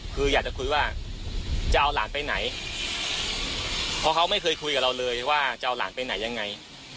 คืออยากจะคุยว่าจะเอาหลานไปไหนเพราะเขาไม่เคยคุยกับเราเลยว่าจะเอาหลานไปไหนยังไง